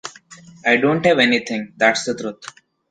I don’t have anything, that’s the truth!